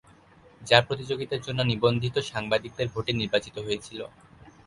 যা প্রতিযোগিতার জন্য নিবন্ধিত সাংবাদিকদের ভোটে নির্বাচিত হয়েছিল।